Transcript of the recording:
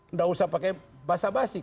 enggak usah pakai basa basi